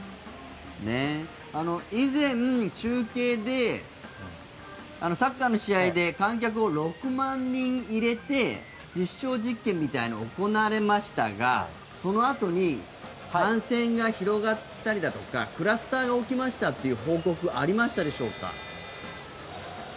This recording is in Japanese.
以前、中継でサッカーの試合で観客を６万人入れて実証実験みたいなのを行われましたがそのあとに感染が広がったりだとかクラスターが起きましたっていう報告はありましたでしょうか？